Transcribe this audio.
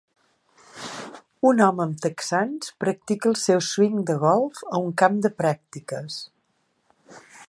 Un home amb texans practica el seu swing de golf a un camp de pràctiques